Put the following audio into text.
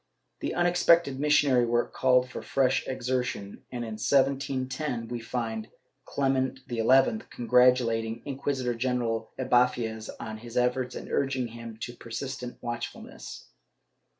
This unex pected missionary work called for fresh exertion and, in 1710, we find Clement XI congratulating Inquisitor general Ibanez on his efforts and urging him to persistent watchfulness.